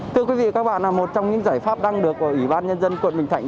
thưa quý vị một trong những giải pháp đăng được của ủy ban nhân dân quận bình thạnh